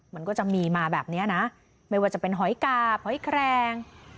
มันก็จะมีมาแบบนี้นะไม่ว่าจะเป็นหอยกาบหอยแครง